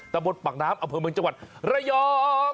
ตรงบนภาคน้ำอเผิงเมืองจังหวันระยอง